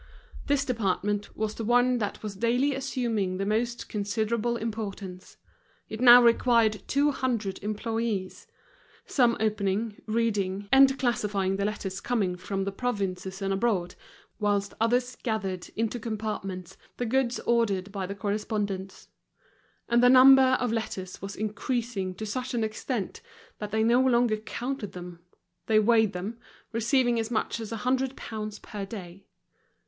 This department was the one that was daily assuming the most considerable importance; it now required two hundred employees—some opening, reading, and classifying the letters coming from the provinces and abroad, whilst others gathered into compartments the goods ordered by the correspondents. And the number of letters was increasing to such an extent that they no longer counted them; they weighed them, receiving as much as a hundred pounds per day.